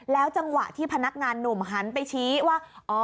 จังหวะที่พนักงานหนุ่มหันไปชี้ว่า